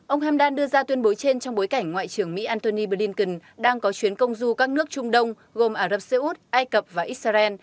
ông hamdan đưa ra tuyên bố trên trong bối cảnh ngoại trưởng mỹ antony blinken đang có chuyến công du các nước trung đông gồm ả rập xê út ai cập và israel